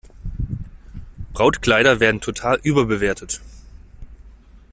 Brautkleider werden total überbewertet.